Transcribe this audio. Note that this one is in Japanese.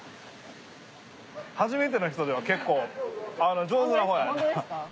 初めての人では結構上手な方やな。